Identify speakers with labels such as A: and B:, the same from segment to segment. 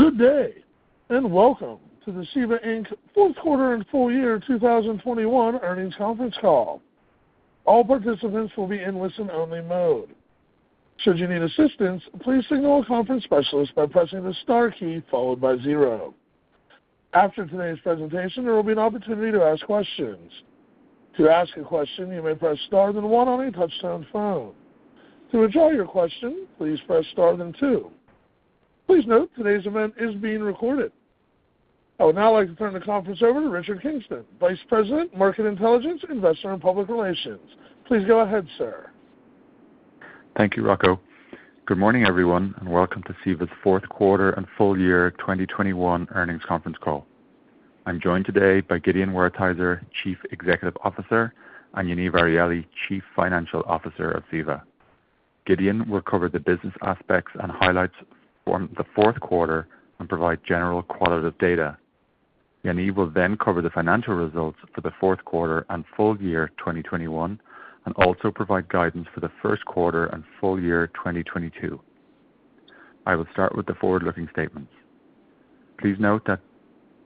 A: Good day, and welcome to the CEVA, Inc. fourth quarter and full year 2021 earnings conference call. All participants will be in listen-only mode. Should you need assistance, please signal a conference specialist by pressing the star key followed by zero. After today's presentation, there will be an opportunity to ask questions. To ask a question, you may press star then 1 on your touchtone phone. To withdraw your question, please press star then two. Please note today's event is being recorded. I would now like to turn the conference over to Richard Kingston, Vice President, Market Intelligence, Investor & Public Relations. Please go ahead, sir.
B: Thank you, Rocco. Good morning, everyone, and welcome to CEVA's fourth quarter and full year 2021 earnings conference call. I'm joined today by Gideon Wertheizer, Chief Executive Officer, and Yaniv Arieli, Chief Financial Officer of CEVA. Gideon will cover the business aspects and highlights from the fourth quarter and provide general qualitative data. Yaniv will then cover the financial results for the fourth quarter and full year 2021 and also provide guidance for the first quarter and full year 2022. I will start with the forward-looking statements. Please note that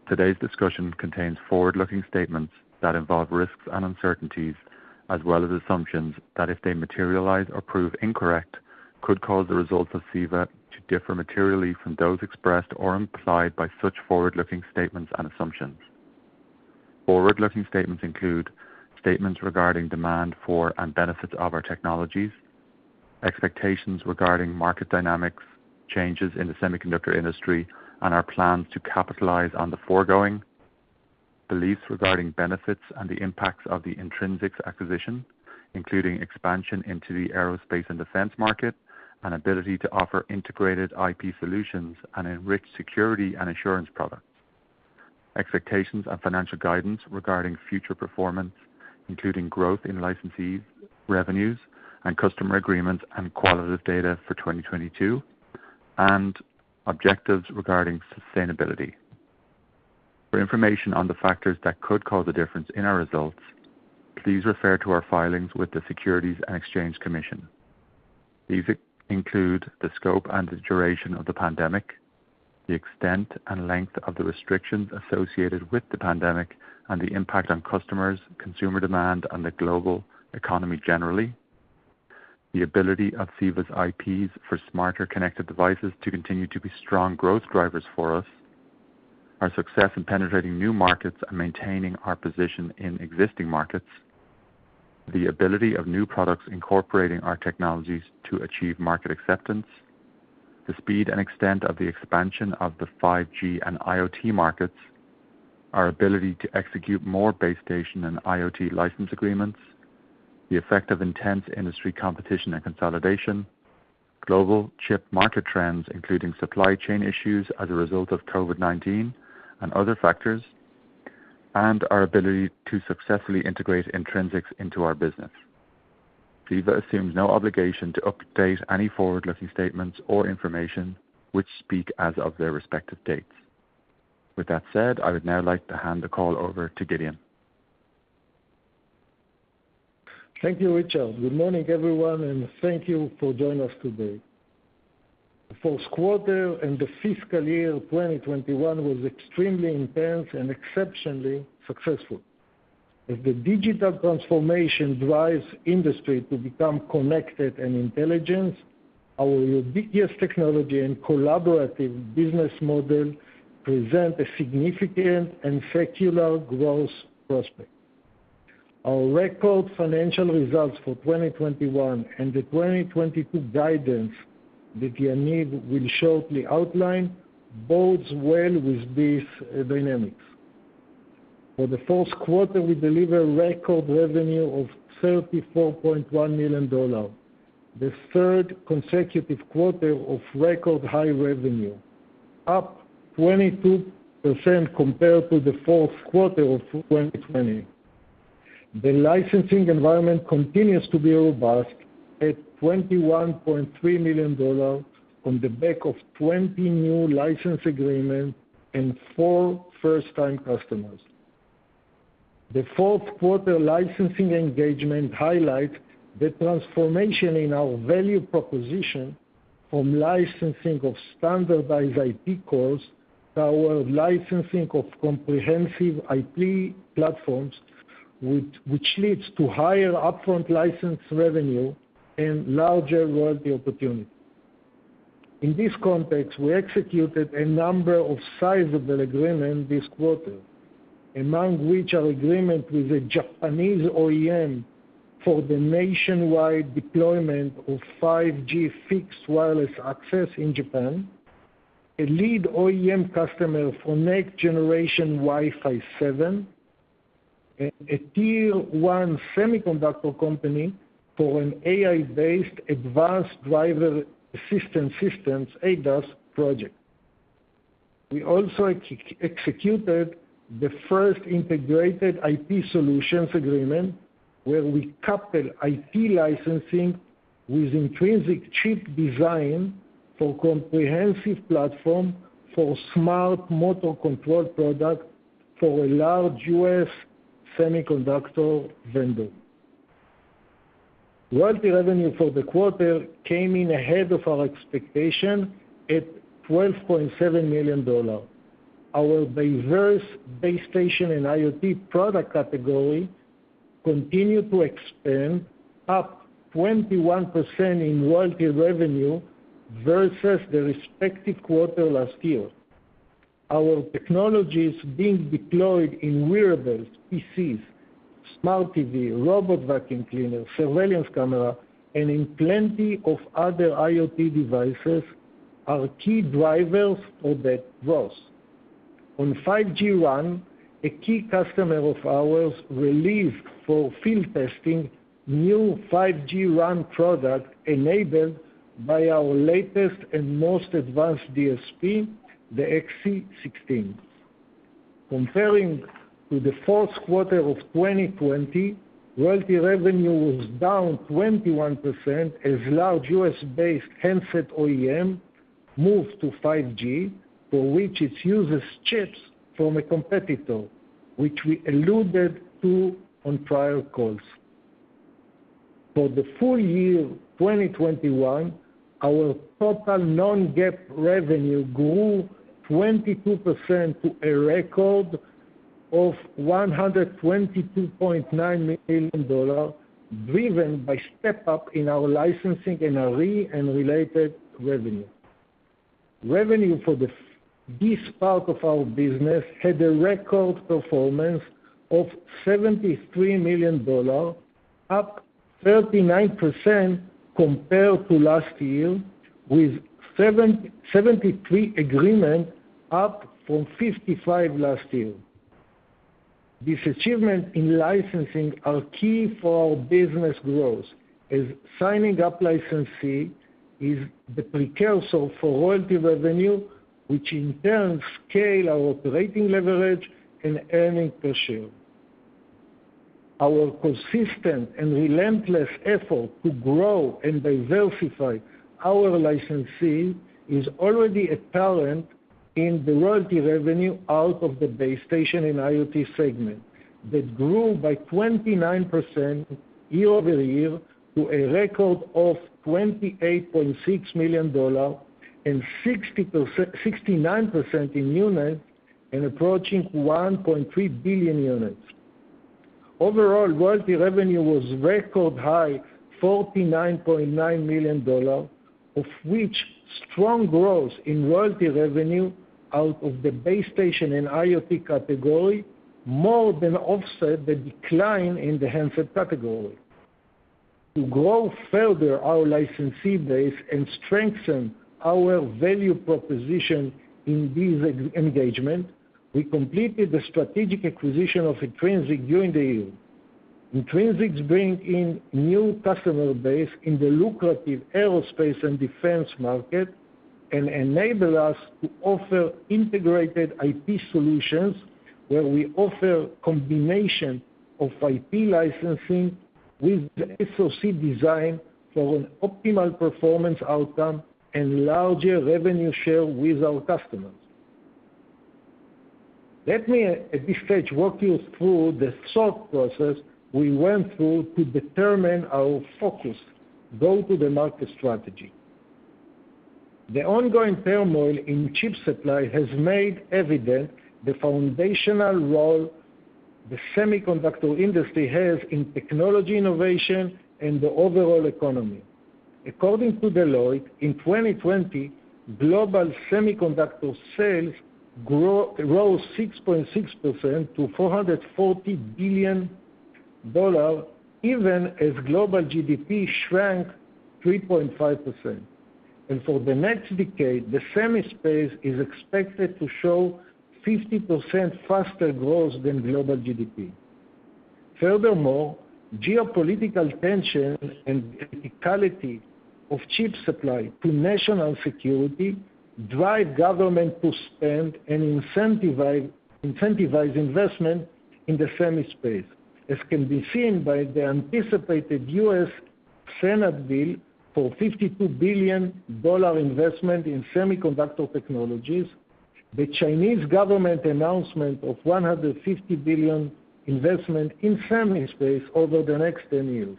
B: today's discussion contains forward-looking statements that involve risks and uncertainties as well as assumptions that if they materialize or prove incorrect could cause the results of CEVA to differ materially from those expressed or implied by such forward-looking statements and assumptions. Forward-looking statements include statements regarding demand for and benefits of our technologies, expectations regarding market dynamics, changes in the semiconductor industry, and our plans to capitalize on the foregoing, beliefs regarding benefits and the impacts of the Intrinsix acquisition, including expansion into the aerospace and defense market and ability to offer integrated IP solutions and enrich security and assurance products, expectations and financial guidance regarding future performance, including growth in licensees, revenues and customer agreements and qualitative data for 2022, and objectives regarding sustainability. For information on the factors that could cause a difference in our results, please refer to our filings with the Securities and Exchange Commission. These include the scope and the duration of the pandemic, the extent and length of the restrictions associated with the pandemic, and the impact on customers, consumer demand, and the global economy generally. The ability of CEVA's IPs for smarter connected devices to continue to be strong growth drivers for us. Our success in penetrating new markets and maintaining our position in existing markets. The ability of new products incorporating our technologies to achieve market acceptance. The speed and extent of the expansion of the 5G and IoT markets. Our ability to execute more base station and IoT license agreements. The effect of intense industry competition and consolidation. Global chip market trends, including supply chain issues as a result of COVID-19 and other factors. Our ability to successfully integrate Intrinsix into our business. CEVA assumes no obligation to update any forward-looking statements or information which speak as of their respective dates. With that said, I would now like to hand the call over to Gideon.
C: Thank you, Richard. Good morning, everyone, and thank you for joining us today. The fourth quarter and the fiscal year 2021 was extremely intense and exceptionally successful. As the digital transformation drives industry to become connected and intelligent, our ubiquitous technology and collaborative business model present a significant and secular growth prospect. Our record financial results for 2021 and the 2022 guidance that Yaniv will shortly outline bodes well with these dynamics. For the fourth quarter, we deliver record revenue of $34.1 million, the third consecutive quarter of record high revenue, up 22% compared to the fourth quarter of 2020. The licensing environment continues to be robust at $21.3 million on the back of 20 new license agreements and four first-time customers. The fourth quarter licensing engagement highlights the transformation in our value proposition from licensing of standardized IP cores to our licensing of comprehensive IP platforms which leads to higher upfront license revenue and larger royalty opportunities. In this context, we executed a number of sizable agreements this quarter, among which are agreement with a Japanese OEM for the nationwide deployment of 5G fixed wireless access in Japan, a lead OEM customer for next generation Wi-Fi 7, a tier-one semiconductor company for an AI-based advanced driver assistance systems ADAS project. We also executed the first integrated IP solutions agreement where we couple IP licensing with Intrinsix chip design for comprehensive platform for smart motor control product for a large U.S. semiconductor vendor. Royalty revenue for the quarter came in ahead of our expectation at $12.7 million. Our diverse base station and IoT product category continued to expand, up 21% in royalty revenue versus the respective quarter last year. Our technologies being deployed in wearables, PCs, smart TV, robot vacuum cleaner, surveillance camera, and in plenty of other IoT devices are key drivers for that growth. On 5G RAN, a key customer of ours released for field-testing new 5G RAN product enabled by our latest and most advanced DSP, the XC16. Compared to the fourth quarter of 2020, royalty revenue was down 21% as large U.S.-based handset OEM moved to 5G, for which it uses chips from a competitor, which we alluded to on prior calls. For the full year 2021, our total non-GAAP revenue grew 22% to a record of $122.9 million, driven by step-up in our licensing NRE and related revenue. Revenue for this part of our business had a record performance of $73 million, up 39% compared to last year with 773 agreements up from 55 last year. This achievement in licensing is key for our business growth, as signing up licensees is the precursor for royalty revenue, which in turn scales our operating leverage and earnings per share. Our consistent and relentless effort to grow and diversify our licensees is already apparent in the royalty revenue out of the base station and IoT segment that grew by 29% year-over-year to a record of $28.6 million and 69% in units and approaching 1.3 billion units. Overall, royalty revenue was record high, $49.9 million, of which strong growth in royalty revenue out of the base station and IoT category more than offset the decline in the handset category. To grow further our licensee base and strengthen our value proposition in this engagement, we completed the strategic acquisition of Intrinsix during the year. Intrinsix brings in new customer base in the lucrative aerospace and defense market and enable us to offer integrated IP solutions where we offer combination of IP licensing with the SoC design for an optimal performance outcome and larger revenue share with our customers. Let me at this stage walk you through the thought process we went through to determine our focus go-to-the-market strategy. The ongoing turmoil in chip supply has made evident the foundational role the semiconductor industry has in technology innovation and the overall economy. According to Deloitte, in 2020, global semiconductor sales rose 6.6% to $440 billion, even as global GDP shrank 3.5%. For the next decade, the semi space is expected to show 50% faster growth than global GDP. Furthermore, geopolitical tension and criticality of chip supply to national security drive government to spend and incentivize investment in the semi space, as can be seen by the anticipated U.S. Senate bill for $52 billion investment in semiconductor technologies, the Chinese government announcement of $150 billion investment in semi space over the next ten years.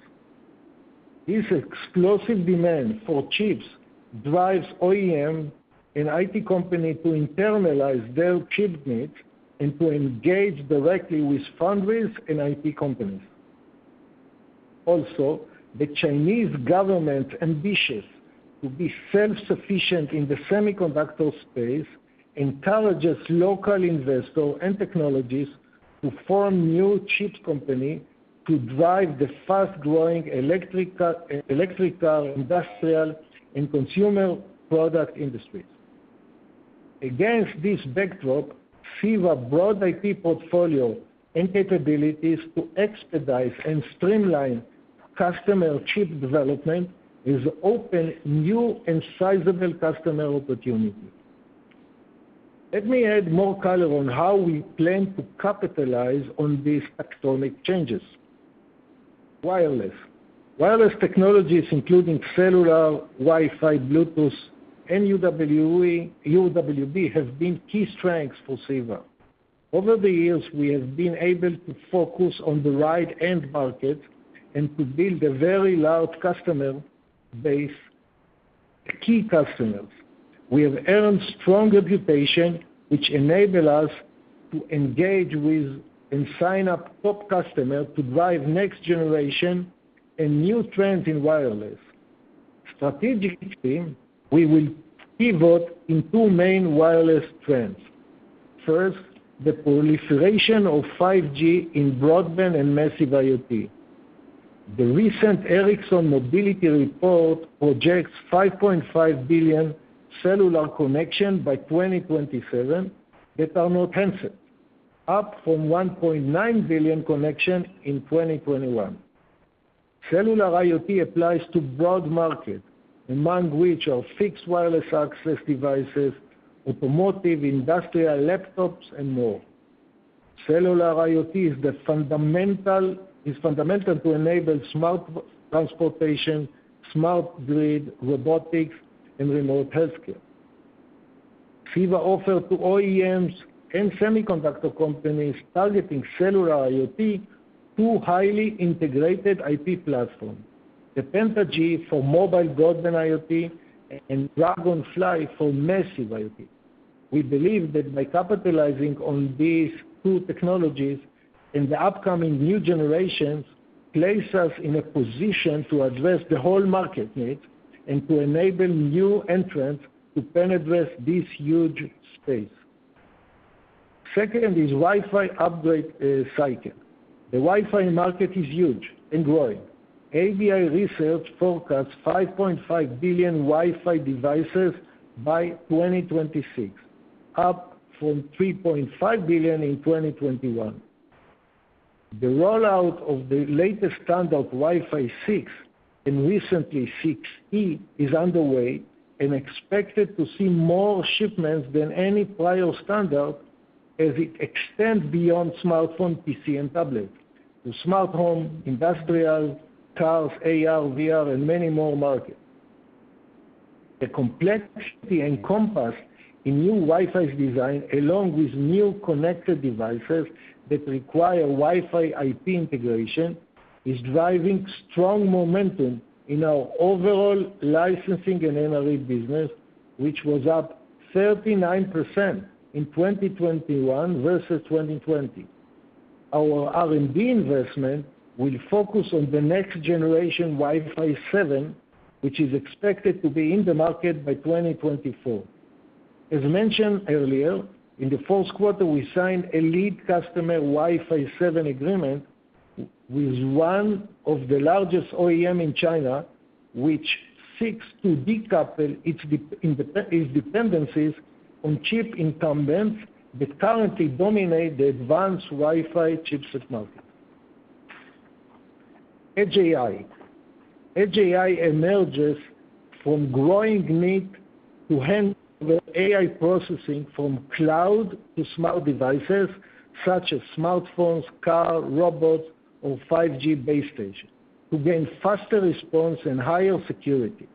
C: This explosive demand for chips drives OEM and IT company to internalize their chip needs and to engage directly with foundries and IP companies. Also, the Chinese government's ambitions to be self-sufficient in the semiconductor space encourage local investors and technologies to form new chip companies to drive the fast-growing electrical, industrial, and consumer product industries. Against this backdrop, CEVA's broad IP portfolio and capabilities to expedite and streamline customer chip development opens new and sizable customer opportunities. Let me add more color on how we plan to capitalize on these tectonic changes. Wireless technologies, including cellular, Wi-Fi, Bluetooth, and UWB, have been key strengths for CEVA. Over the years, we have been able to focus on the right end market and to build a very large customer base, key customers. We have earned strong reputation, which enables us to engage with and sign up top customers to drive next generation and new trends in wireless. Strategically, we will pivot in two main wireless trends. First, the proliferation of 5G in broadband and massive IoT. The recent Ericsson Mobility Report projects 5.5 billion cellular connections by 2027 that are not handset, up from 1.9 billion connections in 2021. Cellular IoT applies to broad market, among which are fixed wireless access devices, automotive, industrial laptops, and more. Cellular IoT is fundamental to enable smart transportation, smart grid, robotics, and remote health care. CEVA offers to OEMs and semiconductor companies targeting cellular IoT, two highly integrated IP platforms, the PentaG for mobile broadband IoT and Dragonfly for massive IoT. We believe that by capitalizing on these two technologies in the upcoming new generations, places us in a position to address the whole market need and to enable new entrants to penetrate this huge space. Second is Wi-Fi upgrade cycle. The Wi-Fi market is huge and growing. ABI Research forecasts 5.5 billion Wi-Fi devices by 2026, up from 3.5 billion in 2021. The rollout of the latest standard Wi-Fi 6, and recently 6E, is underway and expected to see more shipments than any prior standard as it extends beyond smartphone, PC, and tablet to smart home, industrial, cars, AR, VR, and many more markets. The complexity encompassed in new Wi-Fi's design, along with new connected devices that require Wi-Fi IP integration, is driving strong momentum in our overall licensing and NRE business, which was up 39% in 2021 versus 2020. Our R&D investment will focus on the next generation Wi-Fi 7, which is expected to be in the market by 2024. As mentioned earlier, in the fourth quarter, we signed a lead customer Wi-Fi 7 agreement with one of the largest OEM in China, which seeks to decouple its dependencies on chip incumbents that currently dominate the advanced Wi-Fi chipset market. Edge AI emerges from growing need to handle AI processing from cloud to smart devices such as smartphones, car, robot, or 5G base station to gain faster response and higher security.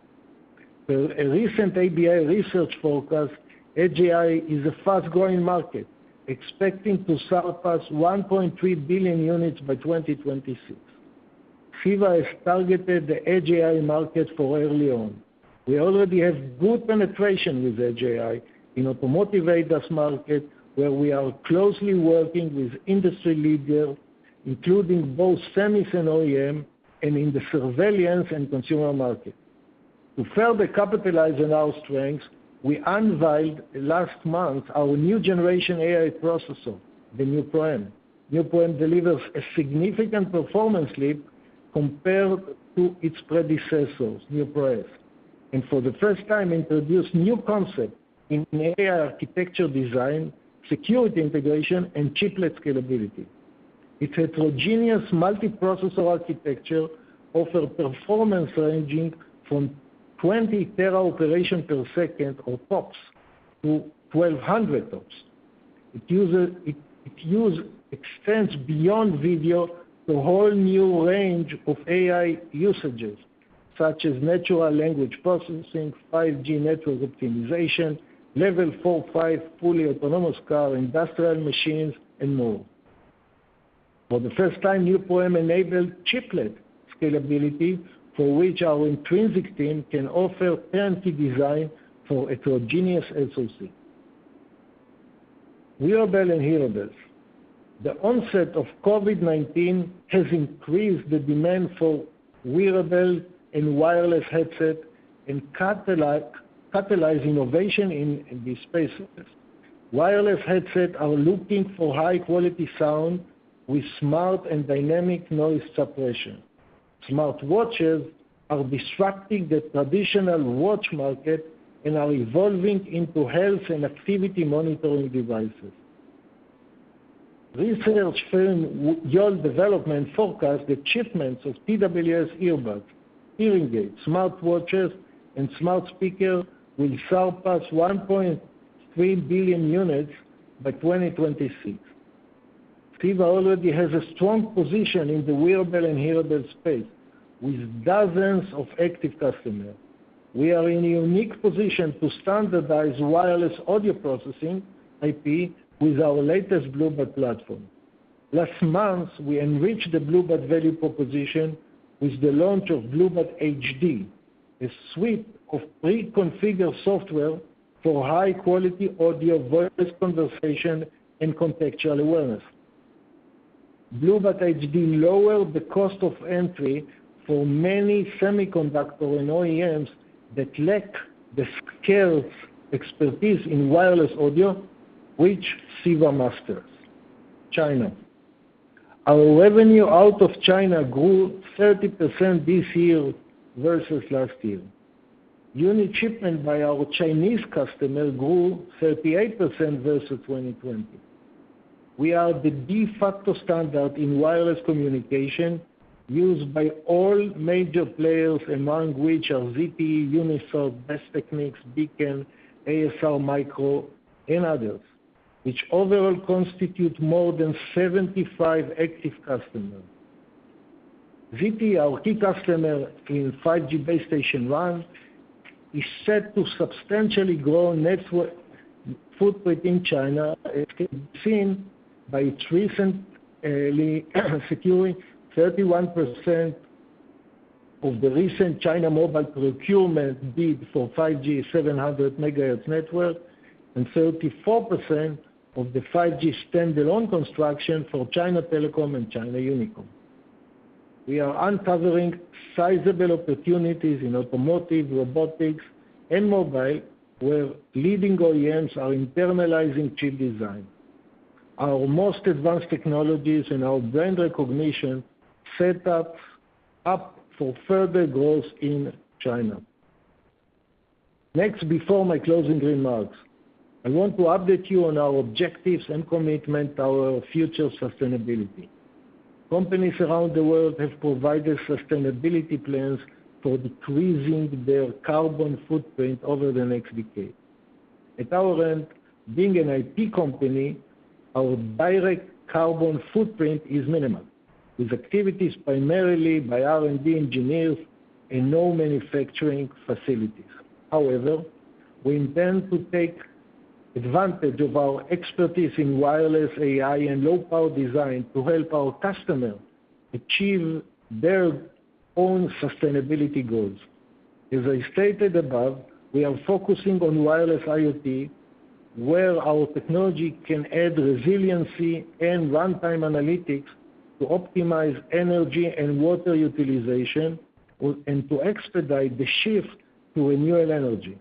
C: A recent ABI Research forecast, Edge AI is a fast-growing market, expecting to surpass 1.3 billion units by 2026. CEVA has targeted the Edge AI market from early on. We already have good penetration with Edge AI in automotive ADAS market, where we are closely working with industry leader, including both semis and OEM, and in the surveillance and consumer market. To further capitalize on our strengths, we unveiled last month our new generation AI processor, the NeuPro-M. NeuPro-M delivers a significant performance leap compared to its predecessors, NeuPro-S. For the first time, we introduce new concept in AI architecture design, security integration, and chiplet scalability. Its heterogeneous multiprocessor architecture offers performance ranging from 20 TOPS to 1,200 TOPS. Its use extends beyond video to a whole new range of AI usages such as natural language processing, 5G network optimization, level four, five fully autonomous car, industrial machines, and more. For the first time, NeuPro-M enables chiplet scalability, for which our Intrinsix team can offer end-to-end design for heterogeneous SoC. Wearable and hearables. The onset of COVID-19 has increased the demand for wearable and wireless headset and catalyzed innovation in these spaces. Wireless headsets are looking for high-quality sound with smart and dynamic noise suppression. Smartwatches are disrupting the traditional watch market and are evolving into health and activity monitoring devices. Research firm Yole Développement forecast the shipments of TWS earbuds, hearing aids, smartwatches, and smart speakers will surpass 1.3 billion units by 2026. CEVA already has a strong position in the wearable and hearable space with dozens of active customers. We are in a unique position to standardize wireless audio processing IP with our latest Bluebud platform. Last month, we enriched the Bluebud value proposition with the launch of Bluebud-HD, a suite of pre-configured software for high quality audio, voice conversation, and contextual awareness. Bluebud-HD lowered the cost of entry for many semiconductor and OEMs that lack the skills, expertise in wireless audio, which CEVA masters. China. Our revenue out of China grew 30% this year versus last year. Unit shipment by our Chinese customer grew 38% versus 2020. We are the de facto standard in wireless communication used by all major players, among which are ZTE, UNISOC, Bestechnic, Beken, ASR Microelectronics, and others, which overall constitute more than 75 active customers. ZTE, our key customer in 5G base station RAN, is set to substantially grow network footprint in China, as can be seen by its recently securing 31% of the recent China Mobile procurement bid for 5G 700 MHz network and 34% of the 5G standalone construction for China Telecom and China Unicom. We are uncovering sizable opportunities in automotive, robotics, and mobile, where leading OEMs are internalizing chip design. Our most advanced technologies and our brand recognition set us up for further growth in China. Next, before my closing remarks, I want to update you on our objectives and commitment to our future sustainability. Companies around the world have provided sustainability plans for decreasing their carbon footprint over the next decade. At our end, being an IP company, our direct carbon footprint is minimal, with activities primarily by R&D engineers and no manufacturing facilities. However, we intend to take advantage of our expertise in wireless AI and low power design to help our customers achieve their own sustainability goals. As I stated above, we are focusing on wireless IoT, where our technology can add resiliency and runtime analytics to optimize energy and water utilization, and to expedite the shift to renewable energy.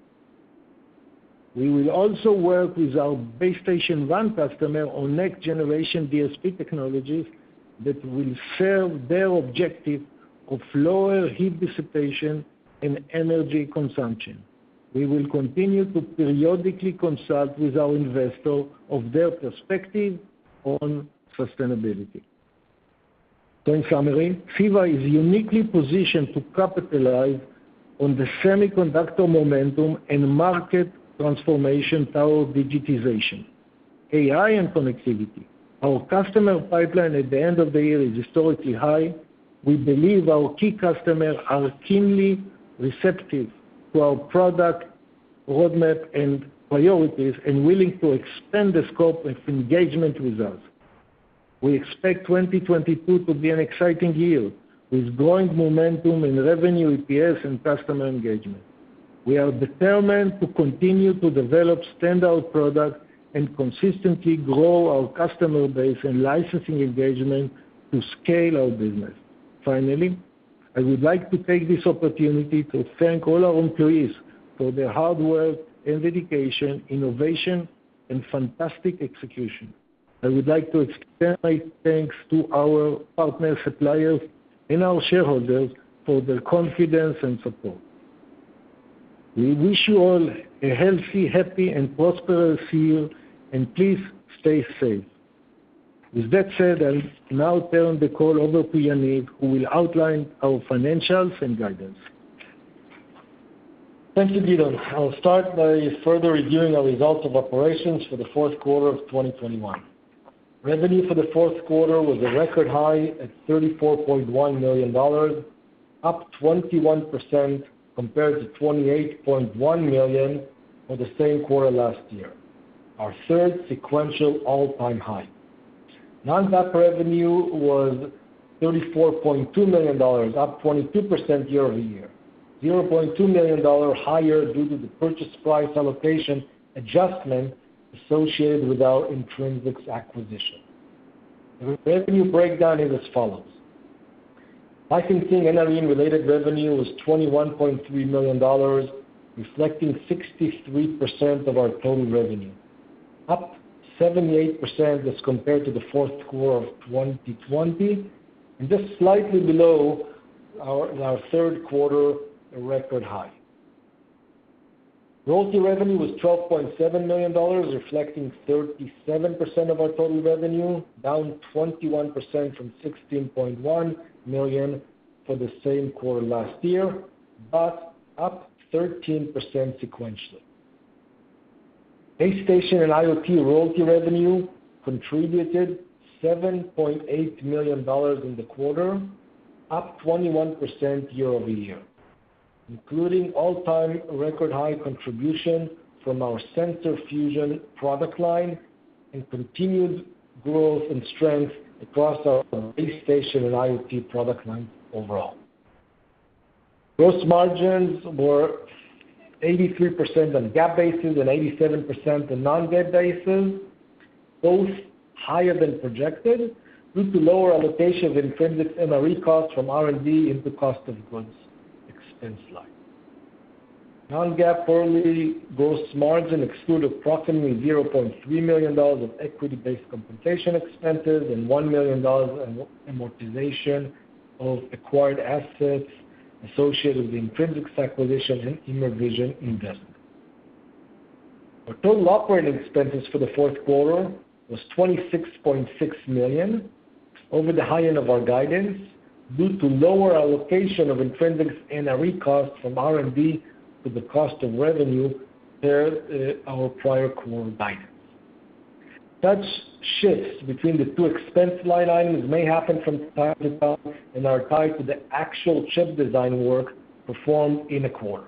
C: We will also work with our base station RAN customer on next-generation DSP technologies that will serve their objective of lower heat dissipation and energy consumption. We will continue to periodically consult with our investors on their perspective on sustainability. In summary, CEVA is uniquely positioned to capitalize on the semiconductor momentum and market transformation toward digitization, AI, and connectivity. Our customer pipeline at the end of the year is historically high. We believe our key customers are keenly receptive to our product roadmap and priorities, and willing to expand the scope of engagement with us. We expect 2022 to be an exciting year, with growing momentum in revenue, EPS, and customer engagement. We are determined to continue to develop standout products and consistently grow our customer base and licensing engagement to scale our business. Finally, I would like to take this opportunity to thank all our employees for their hard work and dedication, innovation, and fantastic execution. I would like to extend my thanks to our partner suppliers and our shareholders for their confidence and support. We wish you all a healthy, happy, and prosperous year, and please stay safe. With that said, I'll now turn the call over to Yaniv, who will outline our financials and guidance.
D: Thanks to Gideon. I'll start by further reviewing our results of operations for the fourth quarter of 2021. Revenue for the fourth quarter was a record high at $34.1 million, up 21% compared to $28.1 million for the same quarter last year, our third sequential all-time high. Non-GAAP revenue was $34.2 million, up 22% year-over-year. $0.2 million higher due to the purchase price allocation adjustment associated with our Intrinsix acquisition. The revenue breakdown is as follows. Licensing and NRE-related revenue was $21.3 million, reflecting 63% of our total revenue. Up 78% as compared to the fourth quarter of 2020, and just slightly below our third quarter record high. Royalty revenue was $12.7 million, reflecting 37% of our total revenue, down 21% from $16.1 million for the same quarter last year, but up 13% sequentially. Base station and IoT royalty revenue contributed $7.8 million in the quarter, up 21% year-over-year, including all-time record high contribution from our sensor fusion product line and continued growth and strength across our base station and IoT product lines overall. Gross margins were 83% on GAAP basis and 87% on non-GAAP basis, both higher than projected due to lower allocation of Intrinsix NRE costs from R&D into cost of goods expense line. Non-GAAP quarterly gross margin exclude approximately $0.3 million of equity-based compensation expenses and $1 million in amortization of acquired assets associated with the Intrinsix acquisition and Immervision investment. Our total operating expenses for the fourth quarter was $26.6 million over the high end of our guidance due to lower allocation of Intrinsix NRE costs from R&D to the cost of revenue compared to our prior quarter guidance. Such shifts between the two expense line items may happen from time to time and are tied to the actual chip design work performed in a quarter.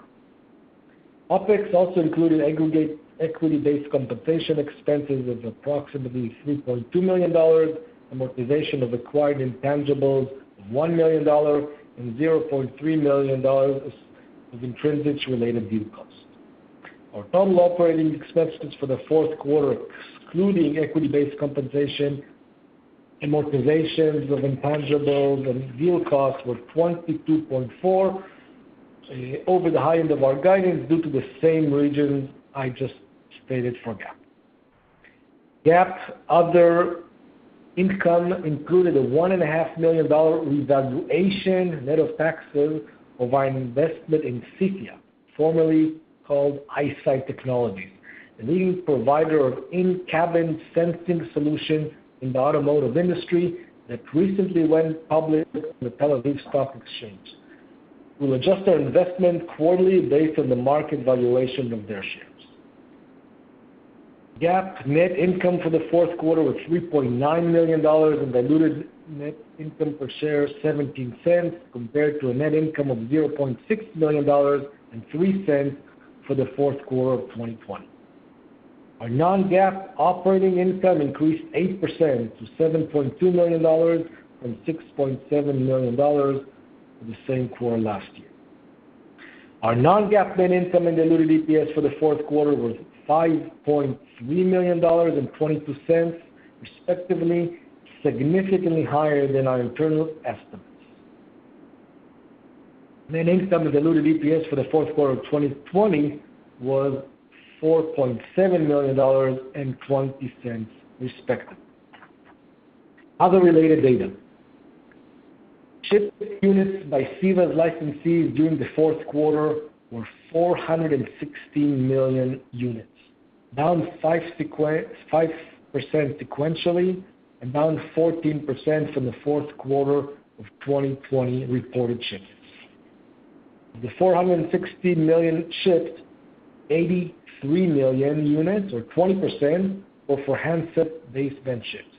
D: OpEx also included aggregate equity-based compensation expenses of approximately $3.2 million, amortization of acquired intangibles of $1 million, and $0.3 million of Intrinsix related deal costs. Our total operating expenses for the fourth quarter, excluding equity-based compensation, amortizations of intangibles, and deal costs, were $22.4 million over the high end of our guidance due to the same reasons I just stated for GAAP. GAAP other income included a $1.5 million revaluation net of taxes of our investment in Cipia, formerly called Eyesight Technologies, the leading provider of in-cabin sensing solution in the automotive industry that recently went public on the Tel Aviv Stock Exchange. We'll adjust our investment quarterly based on the market valuation of their shares. GAAP net income for the fourth quarter was $3.9 million and diluted net income per share $0.17 compared to a net income of $0.6 million and $0.03 for the fourth quarter of 2020. Our non-GAAP operating income increased 8% to $7.2 million from $6.7 million for the same quarter last year. Our non-GAAP net income and diluted EPS for the fourth quarter was $5.3 million and $0.22, respectively, significantly higher than our internal estimates. Net income and diluted EPS for the fourth quarter of 2020 was $4.7 million and $0.20, respectively. Other related data. Shipped units by CEVA's licensees during the fourth quarter were 416 million units, down 5% sequentially and down 14% from the fourth quarter of 2020 reported shipments. Of the 416 million shipped, 83 million units or 20% were for handset baseband chips,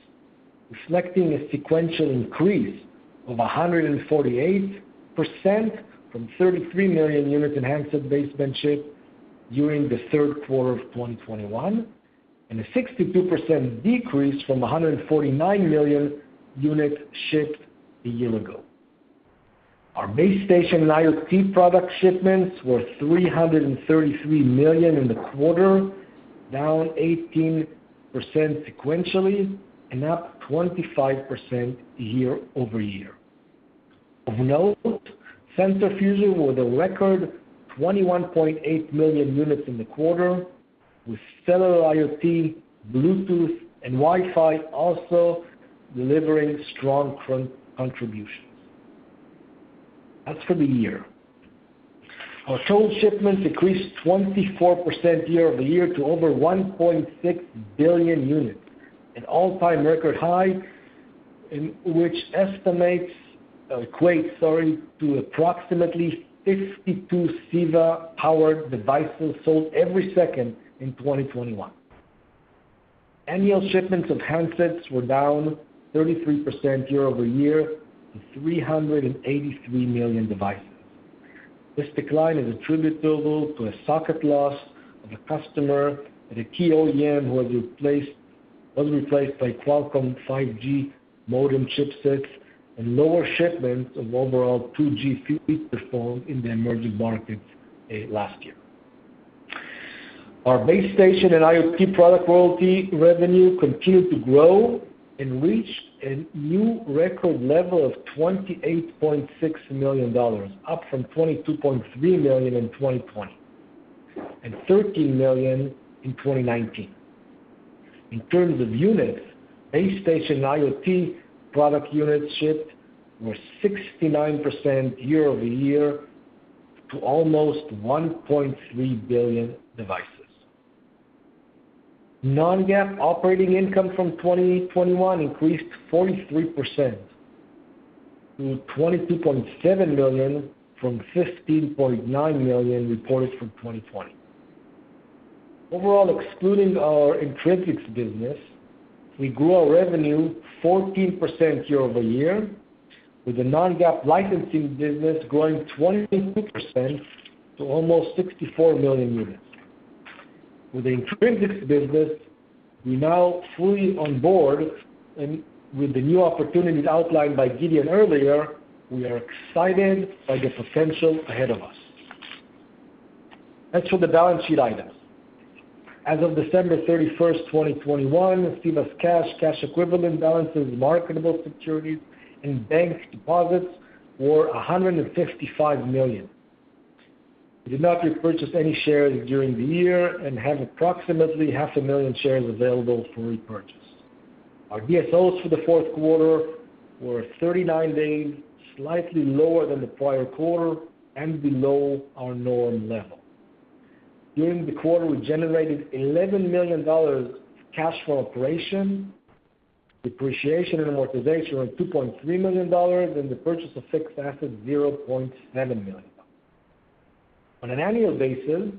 D: reflecting a sequential increase of 148% from 33 million units in handset baseband shipped during the third quarter of 2021, and a 62% decrease from 149 million units shipped a year ago. Our base station and IoT product shipments were 333 million in the quarter, down 18% sequentially and up 25% year-over-year. Of note, sensor fusion were the record 21.8 million units in the quarter, with cellular IoT, Bluetooth, and Wi-Fi also delivering strong contributions. As for the year, our total shipments increased 24% year-over-year to over 1.6 billion units, an all-time record high which equates to approximately 52 CEVA-powered devices sold every second in 2021. Annual shipments of handsets were down 33% year-over-year to 383 million devices. This decline is attributable to a socket loss of a customer at a key OEM who was replaced by Qualcomm 5G modem chipsets and lower shipments of overall 2G feature phones in the emerging markets last year. Our base station and IoT product royalty revenue continued to grow and reached a new record level of $28.6 million, up from $22.3 million in 2020 and $13 million in 2019. In terms of units, base station and IoT product units shipped were 69% year-over-year to almost 1.3 billion devices. Non-GAAP operating income from 2021 increased 43% to $22.7 million from $15.9 million reported for 2020. Overall, excluding our Intrinsix business, we grew our revenue 14% year-over-year, with the non-GAAP licensing business growing 22% to almost 64 million units. With the Intrinsix business, we now fully on board, and with the new opportunities outlined by Gideon earlier, we are excited by the potential ahead of us. As for the balance sheet items. As of December 31, 2021, CEVA's cash equivalent balances, marketable securities, and bank deposits were $155 million. We did not repurchase any shares during the year and have approximately half a million shares available for repurchase. Our DSOs for the fourth quarter were 39 days, slightly lower than the prior quarter and below our normal level. During the quarter, we generated $11 million cash from operations, depreciation and amortization of $2.3 million, and the purchase of fixed assets, $0.7 million. On an annual basis,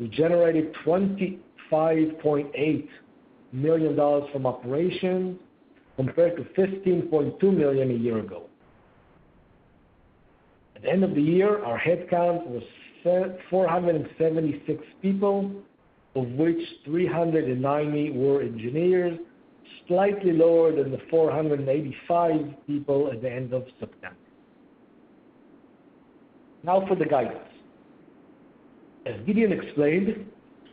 D: we generated $25.8 million from operations compared to $15.2 million a year ago. At the end of the year, our headcount was 476 people, of which 390 were engineers, slightly lower than the 485 people at the end of September. Now for the guidance. As Gideon explained,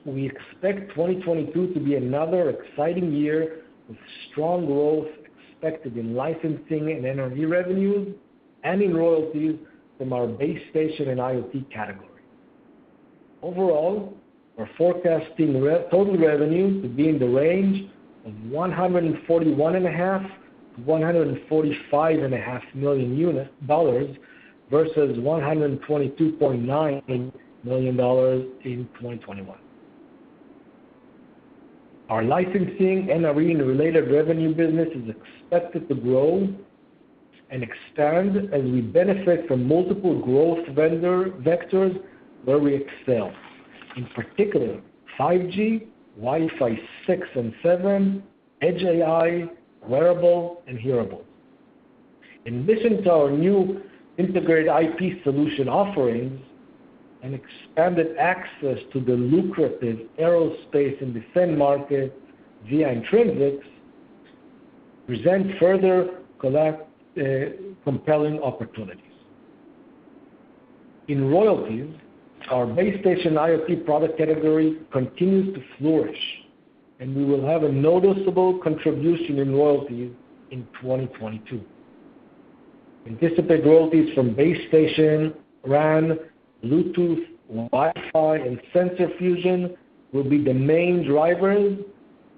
D: we expect 2022 to be another exciting year with strong growth expected in licensing and NRE revenues and in royalties from our base station and IoT category. Overall, we're forecasting total revenue to be in the range of $141.5 million-$145.5 million, versus $122.9 million in 2021. Our licensing NRE and related revenue business is expected to grow and expand as we benefit from multiple growth vendor vectors where we excel. In particular, 5G, Wi-Fi 6 and 7, Edge AI, wearable, and hearable. In addition to our new integrated IP solution offerings and expanded access to the lucrative aerospace and defense market via Intrinsix present further compelling opportunities. In royalties, our base station IoT product category continues to flourish, and we will have a noticeable contribution in royalties in 2022. Anticipated royalties from base station, RAN, Bluetooth, Wi-Fi, and sensor fusion will be the main drivers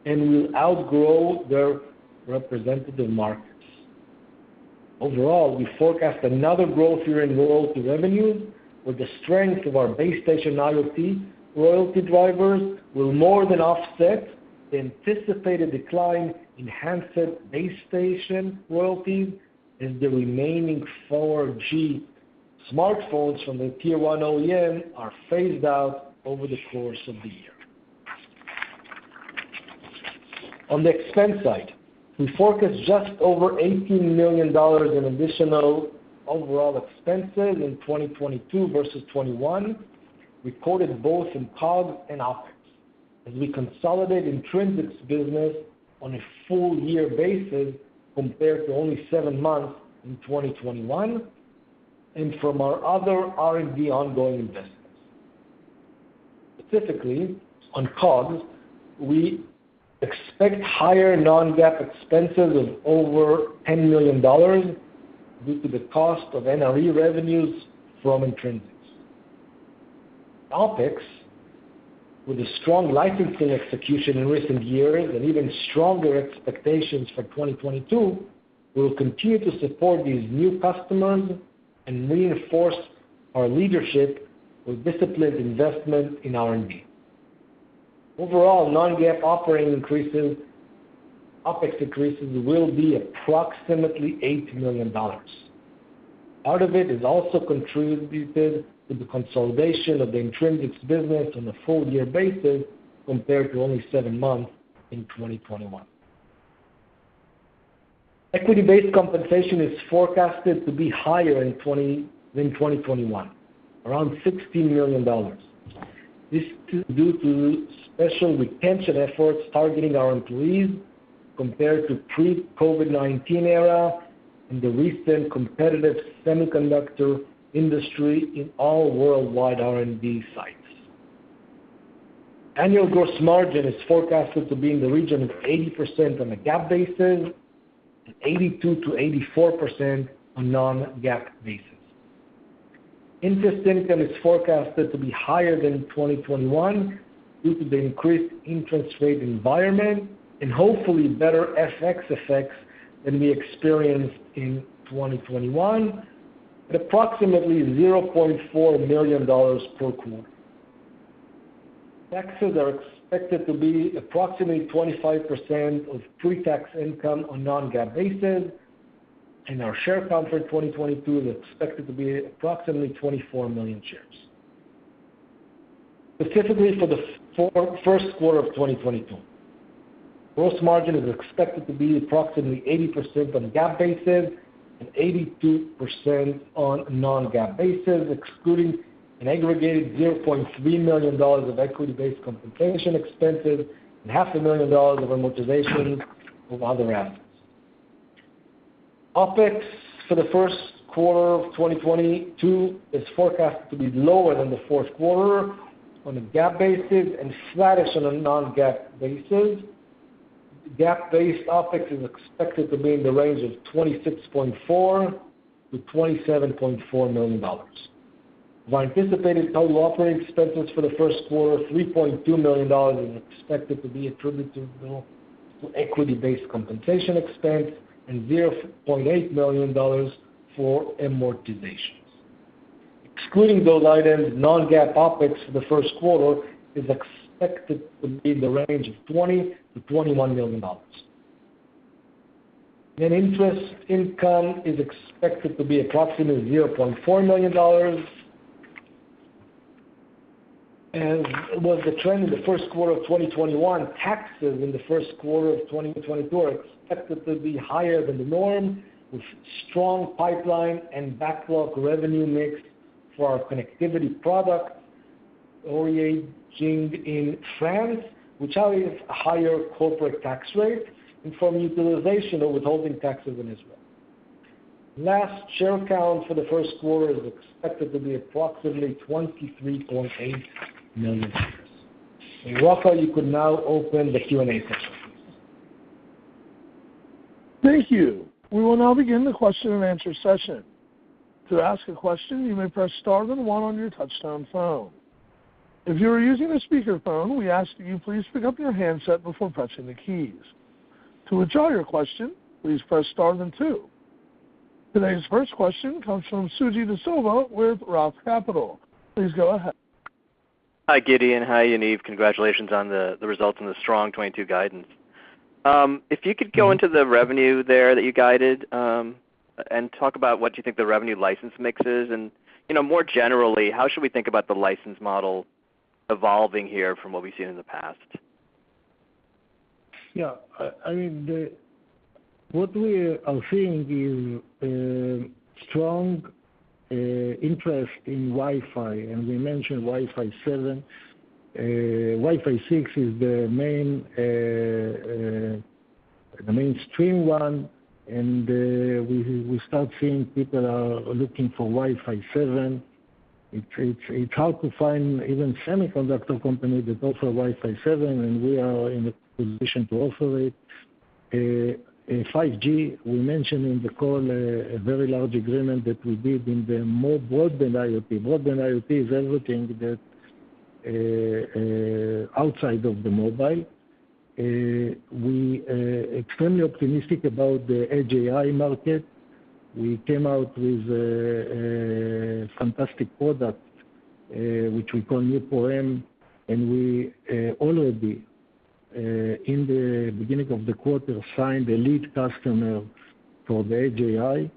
D: and will outgrow their representative markets. Overall, we forecast another growth year in royalty revenue, where the strength of our base station IoT royalty drivers will more than offset the anticipated decline in handset base station royalties as the remaining 4G smartphones from the tier-one OEM are phased out over the course of the year. On the expense side, we forecast just over $18 million in additional overall expenses in 2022 versus 2021, recorded both in COGS and OpEx, as we consolidate Intrinsix business on a full year basis compared to only seven months in 2021, and from our other R&D ongoing investments. Specifically, on COGS, we expect higher non-GAAP expenses of over $10 million due to the cost of NRE revenues from Intrinsix. OpEx, with a strong licensing execution in recent years and even stronger expectations for 2022, we will continue to support these new customers and reinforce our leadership with disciplined investment in R&D. Overall, OpEx increases will be approximately $8 million. Part of it is also contributed to the consolidation of the Intrinsix business on a full year basis compared to only seven months in 2021. Equity-based compensation is forecasted to be higher in 2022 than 2021, around $16 million. This is due to special retention efforts targeting our employees compared to pre-COVID-19 era and the recent competitive semiconductor industry in all worldwide R&D sites. Annual gross margin is forecasted to be in the region of 80% on a GAAP basis and 82%-84% on non-GAAP basis. Interest income is forecasted to be higher than in 2021 due to the increased interest rate environment and hopefully better FX effects than we experienced in 2021, at approximately $0.4 million per quarter. Taxes are expected to be approximately 25% of pre-tax income on non-GAAP basis, and our share count for 2022 is expected to be approximately 24 million shares. Specifically for the first quarter of 2022, gross margin is expected to be approximately 80% on a GAAP basis and 82% on non-GAAP basis, excluding an aggregated $0.3 million of equity-based compensation expenses and half a million dollars of amortization of other assets. OpEx for the first quarter of 2022 is forecast to be lower than the fourth quarter on a GAAP basis and flattish on a non-GAAP basis. GAAP-based OpEx is expected to be in the range of $26.4 million-$27.4 million. Of our anticipated total operating expenses for the first quarter, $3.2 million is expected to be attributed to equity-based compensation expense and $0.8 million for amortizations. Excluding those items, non-GAAP OpEx for the first quarter is expected to be in the range of $20 million-$21 million. Net interest income is expected to be approximately $0.4 million. As was the trend in the first quarter of 2021, taxes in the first quarter of 2022 are expected to be higher than the norm, with strong pipeline and backlog revenue mix for our connectivity products originating in France, which carries a higher corporate tax rate, and from utilization of withholding taxes in Israel. Last, share count for the first quarter is expected to be approximately 23.8 million shares. Rocco, you can now open the Q&A session.
A: Thank you. We will now begin the question-and-answer session. To ask a question, you may press star then one on your touchtone phone. If you are using a speakerphone, we ask that you please pick up your handset before pressing the keys. To withdraw your question, please press star then two. Today's first question comes from Suji Desilva with ROTH Capital. Please go ahead.
E: Hi, Gideon. Hi, Yaniv. Congratulations on the results and the strong 2022 guidance. If you could go into the revenue there that you guided, and talk about what you think the revenue license mix is, and, you know, more generally, how should we think about the license model evolving here from what we've seen in the past?
C: I mean, what we are seeing is strong interest in Wi-Fi, and we mentioned Wi-Fi 7. Wi-Fi 6 is the mainstream one. We start seeing people are looking for Wi-Fi 7. It's hard to find even semiconductor company that offer Wi-Fi 7, and we are in a position to offer it. 5G, we mentioned in the call, a very large agreement that we did in the broadband IoT. Broadband IoT is everything that outside of the mobile. We are extremely optimistic about the Edge AI market. We came out with a fantastic product, which we call NeuPro-M, and we already, in the beginning of the quarter, signed a lead customer for the Edge AI.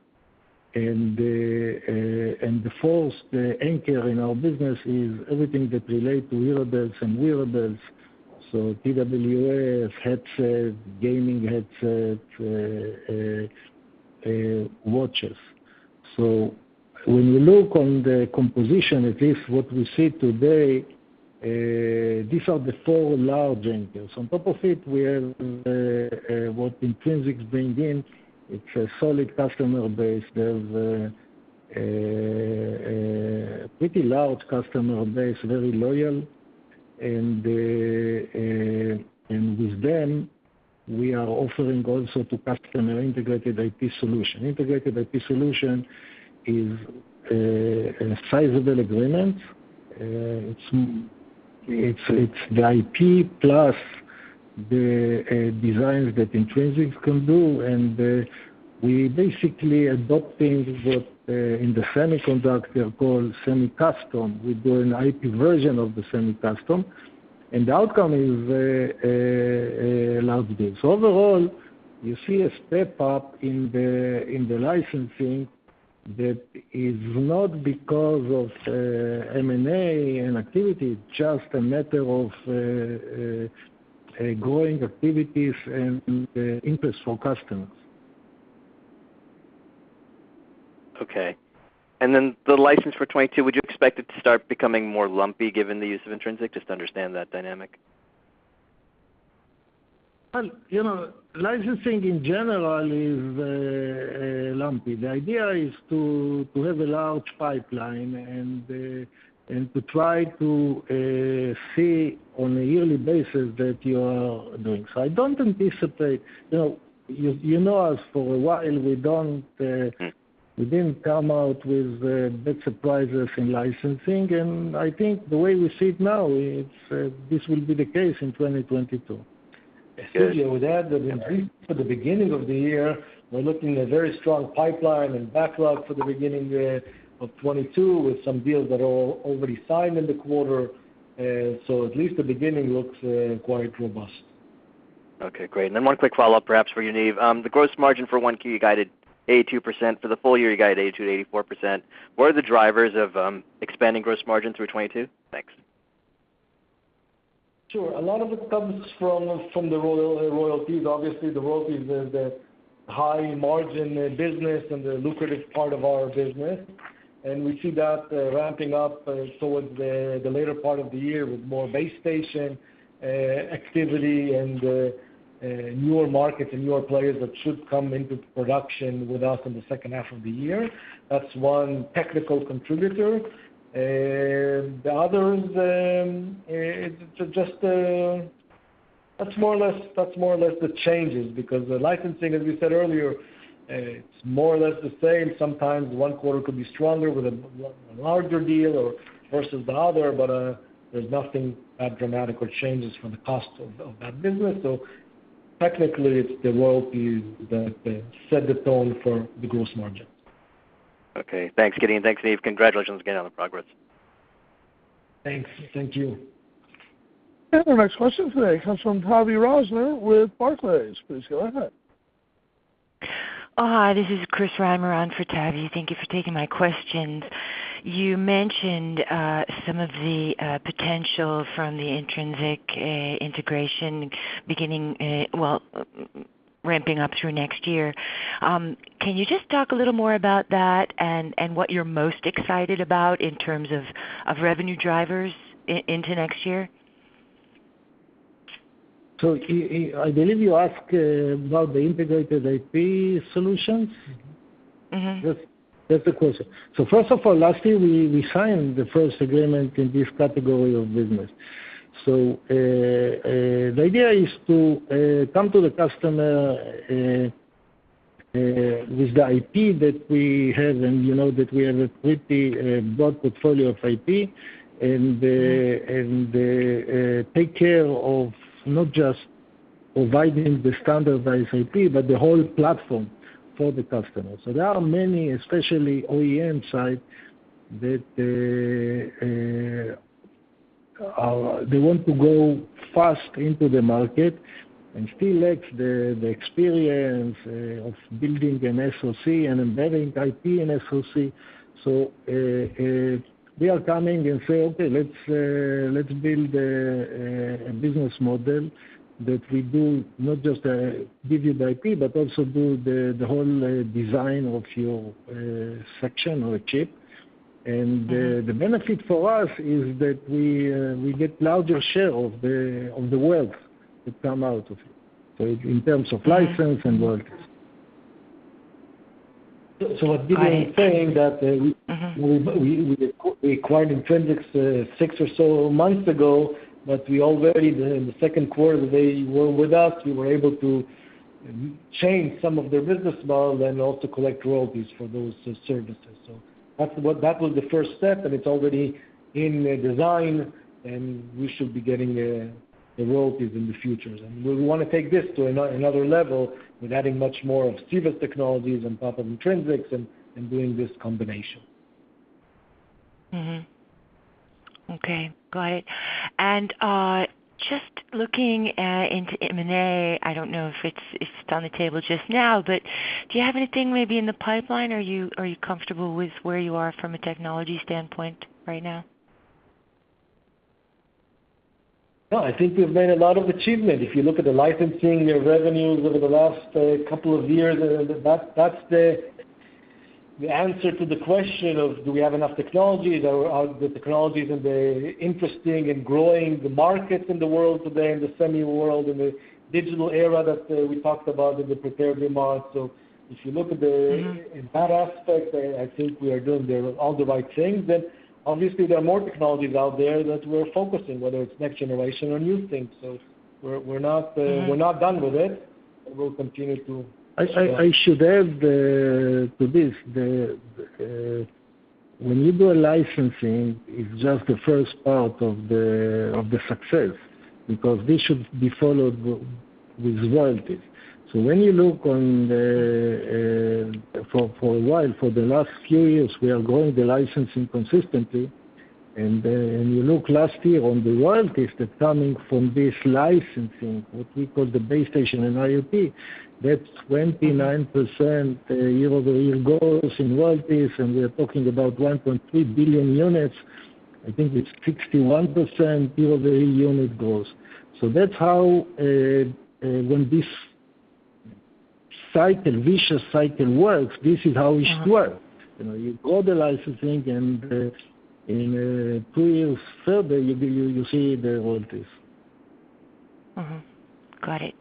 C: The fourth anchor in our business is everything that relate to wearables and hearables, so TWS headsets, gaming headsets, watches. When you look on the composition, at least what we see today, these are the four large anchors. On top of it, we have what Intrinsix's bringing in. It's a solid customer base. There's a pretty large customer base, very loyal. With them, we are offering also to customer integrated IP solution. Integrated IP solution is a sizable agreement. It's the IP plus the designs that Intrinsix can do, and we basically adopting what in the semiconductor call semi-custom. We're doing IP version of the semi-custom, and the outcome is large deals. Overall, you see a step up in the licensing that is not because of M&A and activity, just a matter of growing activities and interest from customers.
E: Okay. Then the license for 2022, would you expect it to start becoming more lumpy given the use of Intrinsix? Just to understand that dynamic.
C: Well, you know, licensing in general is lumpy. The idea is to have a large pipeline and to try to see on a yearly basis that you are doing. I don't anticipate. You know, you know us for a while, and we don't.
E: Mm.
C: We didn't come out with big surprises in licensing. I think the way we see it now, it's this will be the case in 2022.
D: I would add that for the beginning of the year, we're looking at a very strong pipeline and backlog for the beginning year of 2022, with some deals that are already signed in the quarter. At least the beginning looks quite robust.
E: Okay, great. One quick follow-up perhaps for you, Yaniv. The gross margin for 1Q, you guided 82%. For the full year, you guided 82%-84%. What are the drivers of expanding gross margin through 2022? Thanks.
D: Sure. A lot of it comes from the royalties. Obviously, the royalties is the high margin business and the lucrative part of our business. We see that ramping up towards the later part of the year with more base station activity and newer markets and newer players that should come into production with us in the second half of the year. That's one technical contributor. The others, it's just. That's more or less the changes because the licensing, as we said earlier, it's more or less the same. Sometimes one quarter could be stronger with a larger deal or versus the other, but there's nothing that dramatic or changes from the cost of that business. Technically, it's the royalties that set the tone for the gross margin.
E: Okay, thanks, Gideon. Thanks, Niv. Congratulations again on the progress.
C: Thanks.
D: Thank you.
A: Our next question today comes from Tavy Rosner with Barclays. Please go ahead.
F: Hi, this is Chris Reimer on for Tavy. Thank you for taking my questions. You mentioned some of the potential from the Intrinsix integration beginning well ramping up through next year. Can you just talk a little more about that and what you're most excited about in terms of revenue drivers into next year?
C: I believe you ask about the integrated IP solutions.
F: Mm-hmm.
C: That's the question. First of all, last year we signed the first agreement in this category of business. The idea is to come to the customer with the IP that we have, and you know that we have a pretty broad portfolio of IP, and take care of not just providing the standardized IP, but the whole platform for the customer. There are many, especially OEM side, that they want to go fast into the market and still lack the experience of building a SoC and embedding IP in SoC. They are coming and say, "Okay, let's build a business model that we do not just give you the IP, but also do the whole design of your section or chip." The benefit for us is that we get larger share of the wealth that come out of it, so in terms of license and royalties.
D: What Gideon is saying that.
F: Mm-hmm.
D: We acquired Intrinsix or so months ago, but we already in the second quarter they were with us. We were able to change some of their business model and also collect royalties for those services. That's what that was the first step, and it's already in design, and we should be getting the royalties in the future. We want to take this to another level with adding much more of CEVA's technologies on top of Intrinsix's and doing this combination.
F: Mm-hmm. Okay, got it. Just looking into M&A, I don't know if it's on the table just now, but do you have anything maybe in the pipeline or are you comfortable with where you are from a technology standpoint right now?
D: No, I think we've made a lot of achievement. If you look at the licensing, the revenues over the last couple of years, that's the answer to the question of do we have enough technologies or are the technologies in the interesting and growing the markets in the world today, in the semi world, in the digital era that we talked about in the prepared remarks. If you look at the.
F: Mm-hmm.
D: In that aspect, I think we are doing all the right things. Obviously there are more technologies out there that we're focusing on, whether it's next generation or new things. We're not done with it. We'll continue to
C: I should add to this. Then when you do a licensing, it's just the first part of the success because this should be followed with royalties. When you look for the last few years, we are growing the licensing consistently. You look last year on the royalties that coming from this licensing, what we call the base station and IoT, that's 29% year-over-year growth in royalties, and we are talking about 1.3 billion units. I think it's 61% year-over-year unit growth. That's how this virtuous cycle works, this is how it should work. You know, you grow the licensing and in two years further, you see the royalties.
F: Mm-hmm. Got it.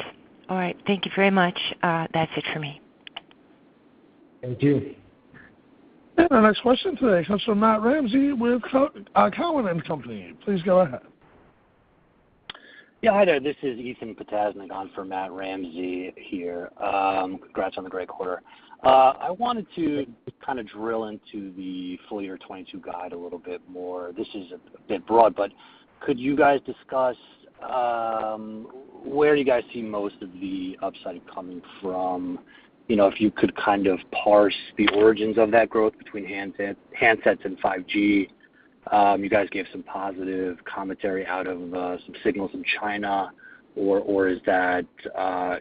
F: All right. Thank you very much. That's it for me.
D: Thank you.
A: Our next question today comes from Matt Ramsay with Cowen and Company. Please go ahead.
G: Yeah. Hi there. This is Ethan Potasnick on for Matt Ramsay here. Congrats on the great quarter. I wanted to. Kind of drill into the full year 2022 guide a little bit more. This is a bit broad, but could you guys discuss where you guys see most of the upside coming from? You know, if you could kind of parse the origins of that growth between handsets and 5G. You guys gave some positive commentary out of some signals from China or is that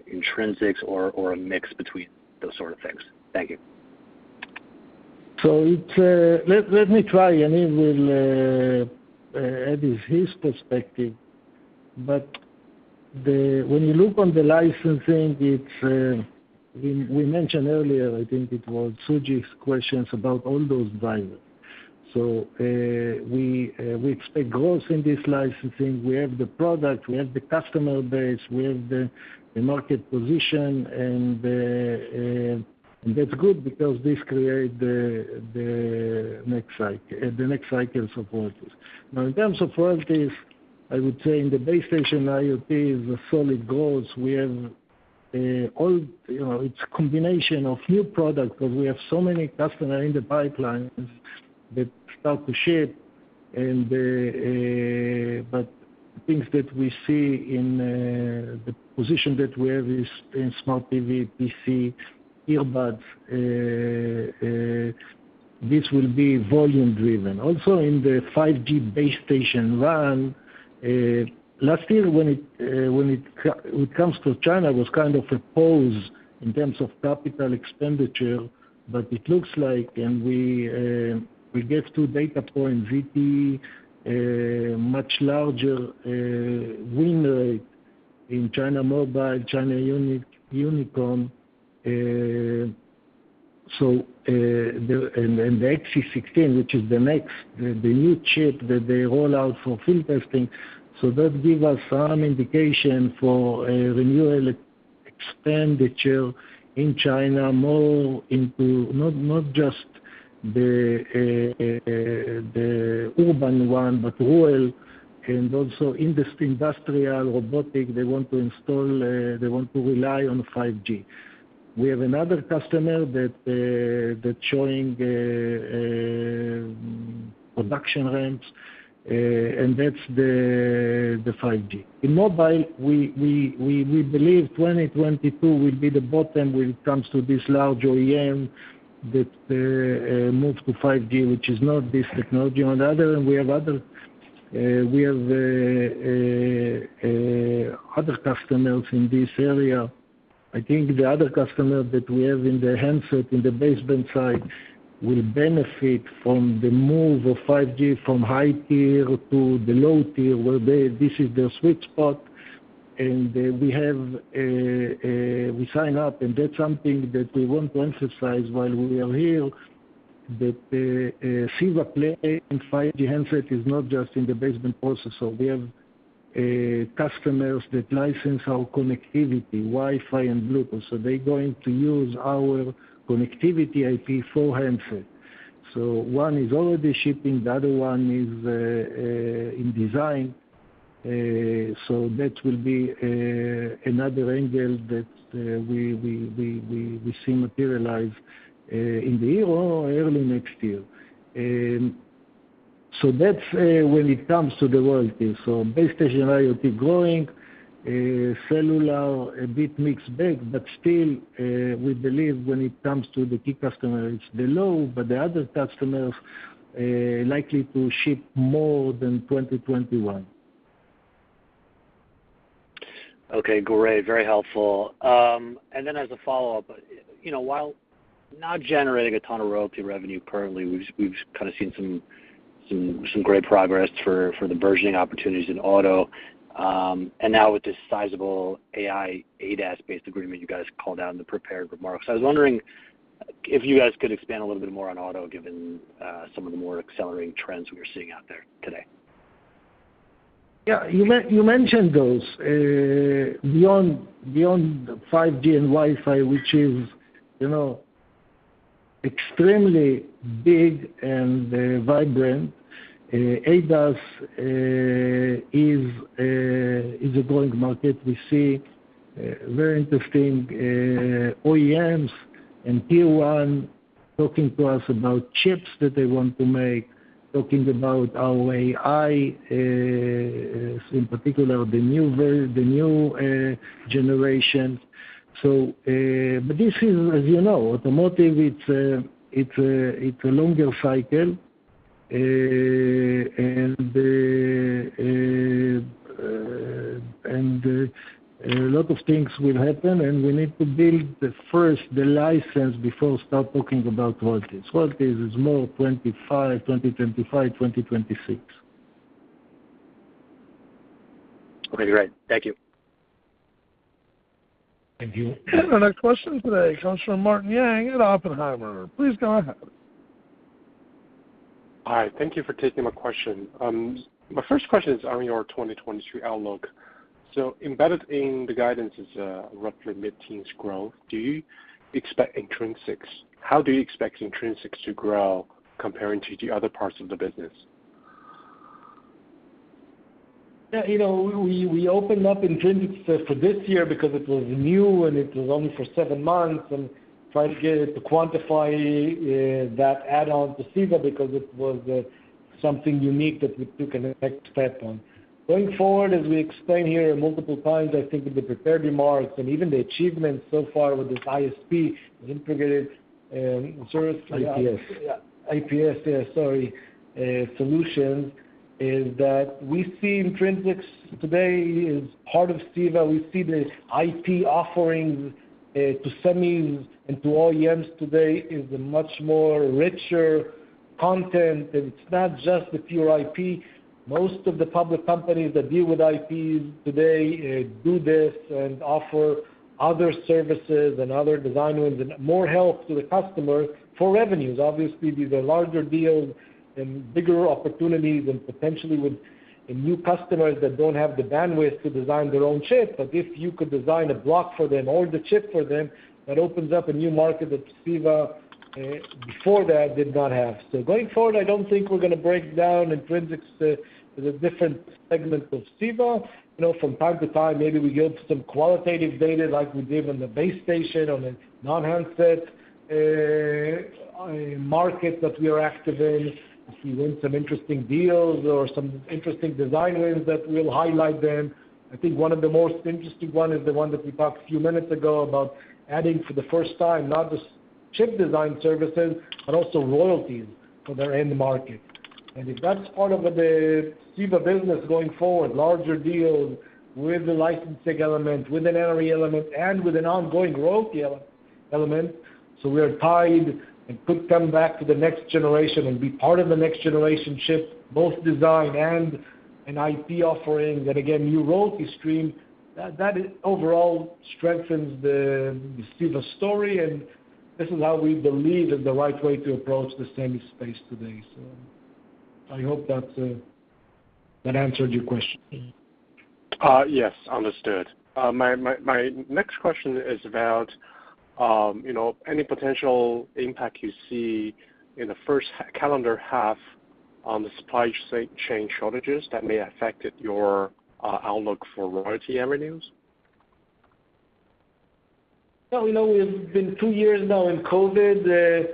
G: Intrinsix or a mix between those sort of things? Thank you.
C: Let me try, and he will add his perspective. When you look on the licensing, it's we mentioned earlier, I think it was Suji's questions about all those drivers. We expect growth in this licensing. We have the product, we have the customer base, we have the market position and that's good because this create the next cycle support. Now, in terms of royalties, I would say in the base station and IoT is a solid growth. We have all, you know, it's combination of new products because we have so many customers in the pipeline that start to ship. Things that we see in the position that we have is in smart TV, PC, earbuds, this will be volume driven. Also, in the 5G base station RAN, last year when it comes to China, was kind of a pause in terms of capital expenditure, but it looks like and we get two data points, ZTE, a much larger win rate in China Mobile, China Unicom. The XC16, which is the next new chip that they roll out for field testing. That gives us some indication for a renewal expenditure in China more into not just the urban one, but rural and also industrial robotics. They want to install, they want to rely on 5G. We have another customer that's showing production ramps, and that's the 5G in mobile. We believe 2022 will be the bottom when it comes to this large OEM that moves to 5G, which is not this technology. On the other hand, we have other customers in this area. I think the other customer that we have in the handset in the baseband side will benefit from the move of 5G from high tier to the low tier, where this is their sweet spot. We have signed up, and that's something that we want to emphasize while we are here, that CEVA's play in 5G handset is not just in the baseband processor. We have customers that license our connectivity, Wi-Fi and Bluetooth, so they're going to use our connectivity IP for handset. One is already shipping, the other one is in design. That will be another angle that we see materialize in the year or early next year. That's when it comes to the royalties. Base station IoT growing, cellular a bit mixed bag. Still, we believe when it comes to the key customers, it's low, but the other customers likely to ship more than 2021.
G: Okay, great. Very helpful. As a follow-up, you know, while not generating a ton of royalty revenue currently, we've kind of seen some great progress for the burgeoning opportunities in auto. Now with this sizable AI, ADAS-based agreement you guys called out in the prepared remarks. I was wondering if you guys could expand a little bit more on auto, given some of the more accelerating trends we are seeing out there today.
C: Yeah. You mentioned those. Beyond 5G and Wi-Fi, which you know is extremely big and vibrant, ADAS is a growing market. We see very interesting OEMs and Tier 1 talking to us about chips that they want to make, talking about our AI, in particular the new generation. But this is, as you know, automotive. It's a longer cycle. And a lot of things will happen, and we need to build the first license before start talking about royalties. Royalties is more 2025, 2026.
G: Okay, great. Thank you.
C: Thank you.
A: Our next question today comes from Martin Yang at Oppenheimer. Please go ahead.
H: Hi. Thank you for taking my question. My first question is on your 2022 outlook. Embedded in the guidance is roughly mid-teens growth. Do you expect Intrinsix? How do you expect Intrinsix to grow comparing to the other parts of the business?
D: Yeah, you know, we opened up Intrinsix for this year because it was new and it was only for seven months and tried to get it to quantify that add-on to CEVA because it was something unique that we took an extra step on. Going forward, as we explained here multiple times, I think in the prepared remarks and even the achievements so far with this ISP integrated service.
C: IPS.
D: IPS sorry, solutions is that we see Intrinsix today as part of CEVA. We see the IP offerings to semis and to OEMs today is a much more richer content. It's not just the pure IP. Most of the public companies that deal with IPs today do this and offer other services and other design wins and more help to the customer for revenues. Obviously, these are larger deals and bigger opportunities and potentially with new customers that don't have the bandwidth to design their own chip. But if you could design a block for them or the chip for them, that opens up a new market that CEVA before that did not have. Going forward, I don't think we're gonna break down Intrinsix to the different segments of CEVA. You know, from time to time, maybe we give some qualitative data like we did on the base station, on a non-handset market that we are active in. If we win some interesting deals or some interesting design wins that we'll highlight them. I think one of the most interesting one is the one that we talked a few minutes ago about adding for the first time, not just chip design services, but also royalties for their end market. If that's part of the CEVA business going forward, larger deals with the licensing element, with an NRE element, and with an ongoing royalty element, so we are tied and could come back to the next generation and be part of the next generation chip, both design and an IP offering, that again, new royalty stream, that overall strengthens the CEVA story, and this is how we believe is the right way to approach the semi space today. I hope that answered your question.
H: Yes, understood. My next question is about, you know, any potential impact you see in the first calendar half on the supply chain shortages that may affect your outlook for royalty revenues.
C: Well, you know, we've been two years now in COVID. There's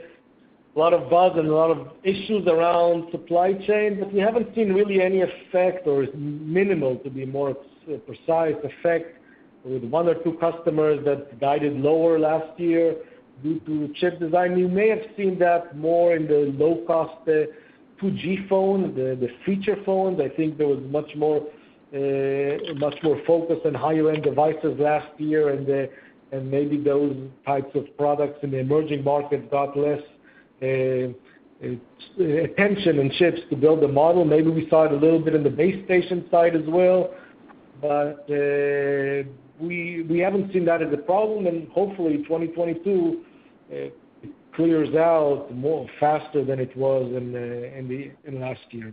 C: a lot of buzz and a lot of issues around supply chain, but we haven't seen really any effect or minimal to be more precise effect with one or two customers that guided lower last year due to chip design. You may have seen that more in the low-cost 2G phones, the feature phones. I think there was much more focus on higher end devices last year and maybe those types of products in the emerging markets got less attention in chips to build the model. Maybe we saw it a little bit in the base station side as well. But we haven't seen that as a problem. Hopefully 2022 clears out more faster than it was in last year.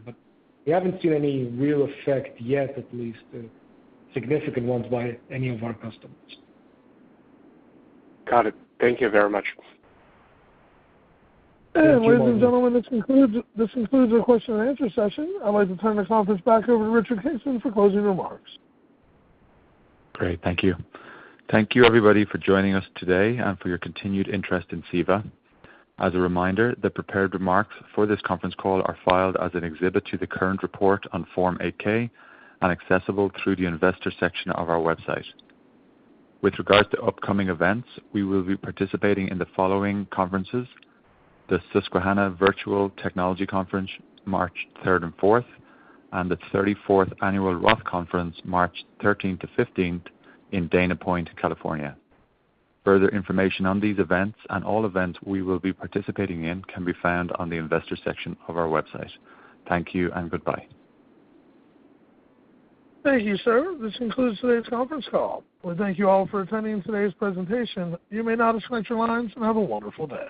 C: We haven't seen any real effect yet, at least significant ones by any of our customers.
H: Got it. Thank you very much.
A: Ladies and gentlemen, this concludes our question-and-answer session. I'd like to turn the conference back over to Richard Kingston for closing remarks.
B: Great. Thank you. Thank you everybody for joining us today and for your continued interest in CEVA. As a reminder, the prepared remarks for this conference call are filed as an exhibit to the current report on Form 8-K and accessible through the investor section of our website. With regards to upcoming events, we will be participating in the following conferences, the Susquehanna Virtual Technology Conference, March 3rd and 4th, and the 34th Annual Roth Conference, March 13th-15th in Dana Point, California. Further information on these events and all events we will be participating in can be found on the investor section of our website. Thank you and goodbye.
A: Thank you, sir. This concludes today's conference call. We thank you all for attending today's presentation. You may now disconnect your lines and have a wonderful day.